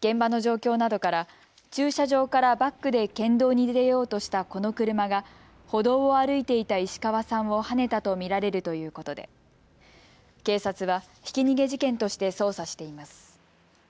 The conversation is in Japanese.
現場の状況などから駐車場からバックで県道に出ようとしたこの車が歩道を歩いていた石河さんをはねたと見られるということで警察はひき逃げ事件として捜査しています。